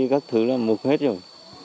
các thứ là mục hết rồi